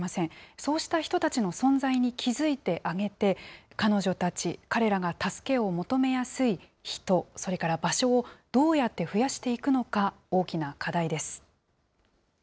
そうした人たちの存在に気付いてあげて、彼女たち、彼らが助けを求めやすい人、それから場所をどうやって増やしていくのか、大きな課題です。